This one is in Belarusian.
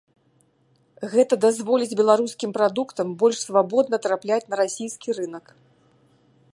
Гэта дазволіць беларускім прадуктам больш свабодна трапляць на расійскі рынак.